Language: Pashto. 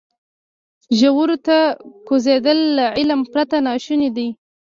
ژورو ته کوزېدل له علم پرته ناشونی دی.